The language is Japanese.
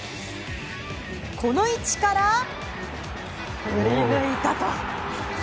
この位置から、振り抜いたと。